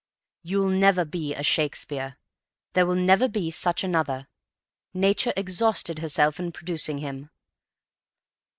You'll never be a Shakespeare, there will never be such another Nature exhausted herself in producing him.